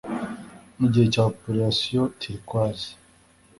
Mu gihe cya Operation Turquoise